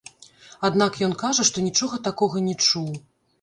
Аднак ён кажа, што нічога такога не чуў.